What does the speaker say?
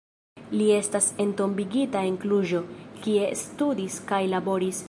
Li estas entombigita en Kluĵo, kie studis kaj laboris.